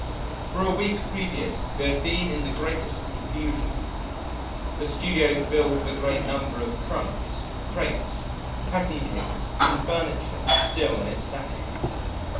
For a week previous they had been in the greatest confusion: the studio filled with a great number of trunks, crates, packing cases, and furniture still in its sacking.